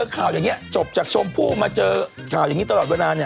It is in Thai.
ใครละ